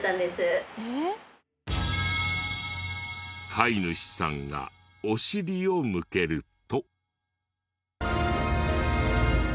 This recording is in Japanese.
飼い主さんがお尻を向けると。